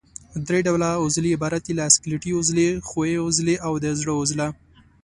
درې ډوله عضلې عبارت دي له سکلیټي عضلې، ښویې عضلې او د زړه عضله.